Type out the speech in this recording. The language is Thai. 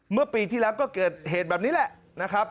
เมื่อปีที่แล้วก็เกิดเหตุแบบนี้แหละนะครับ